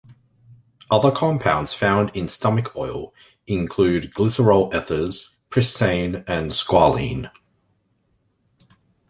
Other compounds found in stomach oil include glycerol ethers, pristane and squalene.